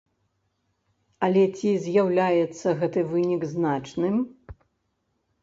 Але ці з'яўляецца гэты вынік значным?